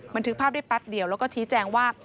บันทึกภาพได้แป๊บเดียวแล้วก็ชี้แจงว่า